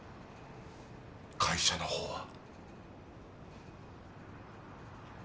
会社の方は？